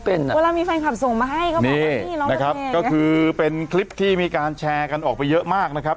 ก็บอกว่านี่น้องมันแบงก์อ่ะนี่นะครับก็คือเป็นคลิปที่มีการแชร์กันออกไปเยอะมากนะครับ